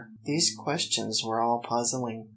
These questions were all puzzling.